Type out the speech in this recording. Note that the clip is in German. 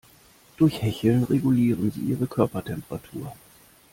Durch Hecheln regulieren sie ihre Körpertemperatur.